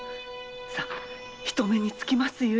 さ人目につきます故。